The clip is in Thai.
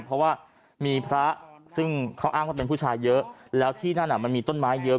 เพราะว่ามีพระซึ่งเขาอ้างว่าเป็นผู้ชายเยอะแล้วที่นั่นมันมีต้นไม้เยอะ